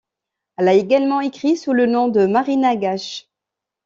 Elle a également écrit sous le nom de Marina Gashe.